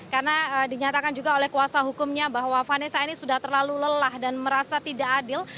karena dinyatakan juga oleh kuasa hukumnya bahwa vanessa ini sudah terlalu lelah dan merasa tidak adil